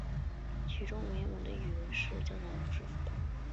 而其中文的语文基础是建基于他中文科小学老师的教导。